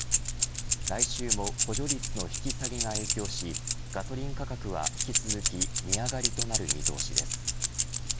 来週も補助率の引き下げが影響しガソリン価格は引き続き値上がりとなる見通しです。